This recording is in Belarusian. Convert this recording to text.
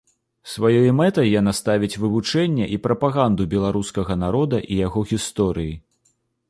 Сваёй мэтай яна ставіць вывучэнне і прапаганду беларускага народа і яго гісторыі.